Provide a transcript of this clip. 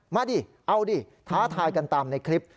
ดิเอาดิท้าทายกันตามในคลิป